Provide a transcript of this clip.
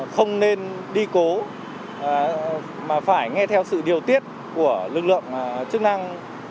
không nên đi cố mà phải nghe theo sự điều tiết của lực lượng chức năng